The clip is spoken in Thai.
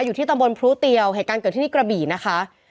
อยู่ที่ตำบลพรุเตียวเหตุการณ์เกิดที่นี่กระบี่นะคะ